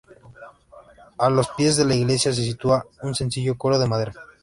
A los pies de la iglesia, se sitúa un sencillo coro de madera.